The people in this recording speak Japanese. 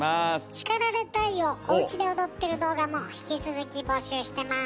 「叱られたい！」をおうちで踊ってる動画も引き続き募集してます。